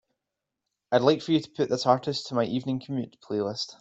I'd like for you to put this artist to my Evening Commute playlist.